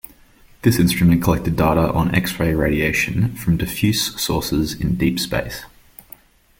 This instrument collected data on X-ray radiation from diffuse sources in deep space.